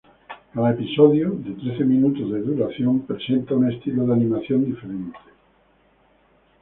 Cada episodio, de trece minutos de duración, presenta un estilo de animación diferente.